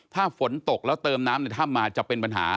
ถ้าฝนตกแล้วเติมน้ำในถ้ำมาจะเป็นปัญหา